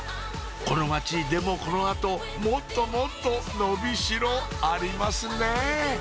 この街でもこの後もっともっと伸びしろありますね